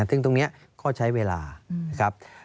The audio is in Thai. ซึ่งตรงนี้ก็ใช้เวลานะครับ